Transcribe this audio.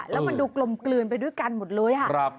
แล้วมันดูกลมกลืนไปด้วยกันหมดเลย